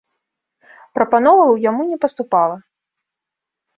Прапановаў яму не паступала.